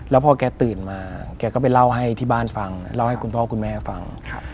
แล้วพอแกตื่นมาแกก็ไปเล่าให้ที่บ้านฟังเล่าให้คุณพ่อคุณแม่ฟัง